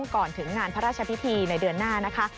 ก่อนถึงงานพระราชพิธีในเดือนหน้านะคะ